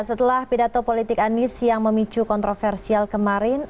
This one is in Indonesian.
setelah pidato politik anies yang memicu kontroversial kemarin